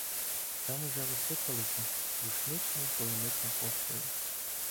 Там уже розсипалися рушничні й кулеметні постріли.